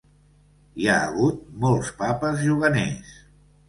Hi ha hagut molts Papes juganers.